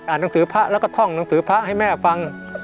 หนังสือพระแล้วก็ท่องหนังสือพระให้แม่ฟัง